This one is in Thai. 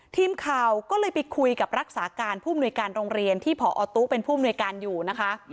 ทีมข่าวก็เลยไปคุยกับรักษาการผู้มนุยการโรงเรียนที่ผอตุ๊เป็นผู้มนุยการอยู่นะคะ